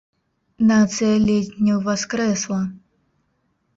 Нацыя ледзь не ўваскрэсла.